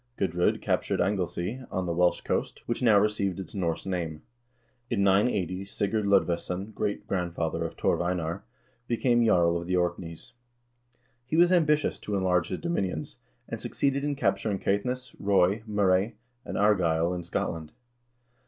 Gudr0d captured Anglesea on the Welsh coast, which now received its Norse name.1 In 980 Sigurd Lodvesson, great grandson of Torv Einar, became jarl of the Orkneys. He was ambitious to enlarge his dominions, and succeeded in capturing Caithness, Ross, Moray, and Argyll in Scotland.